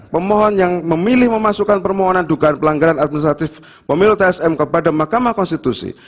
pemohon yang memilih memasukkan permohonan dugaan pelanggaran administratif pemilu tsm kepada mahkamah konstitusi